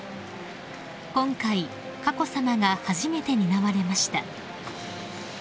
［今回佳子さまが初めて担われました］